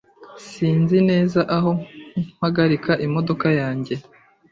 Sinzi neza aho mpagarika imodoka yanjye .